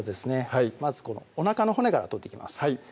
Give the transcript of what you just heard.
はいまずこのおなかの骨から取っていきます